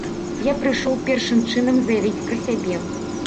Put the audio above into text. Я прыйшоў першым чынам заявіць пра сябе.